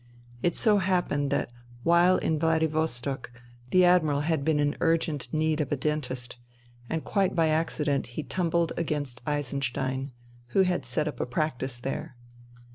It so happened that while in Vladivostok the Admiral had been in urgent need of a dentist, and quite by INTERVENING IN SIBERIA 169 accident he tumbled against Eisenstein, who had set up a practice there.